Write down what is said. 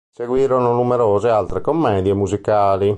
Seguirono numerose altre commedie musicali.